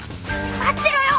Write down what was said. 待ってろよ